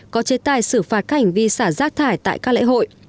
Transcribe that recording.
có chế tài xử phạt các hành vi xả rác thải tại các lễ hội